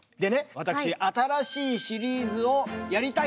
私新しいシリーズをやりたいと。